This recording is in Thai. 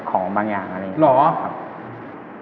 ของบางอย่างอะไรอย่างนี้